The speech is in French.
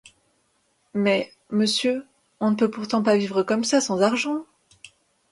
Mais, monsieur, on ne peut pourtant pas vivre comme ça sans argent.